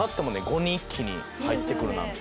５人一気に入ってくるなんて。